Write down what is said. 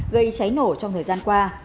gây cháy nổ trong thời gian qua